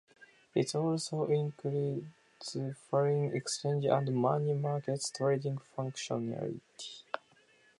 It also includes foreign exchange and money markets trading functionality.